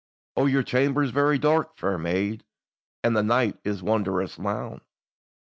"O your chamber is very dark, fair maid, And the night is wondrous lown."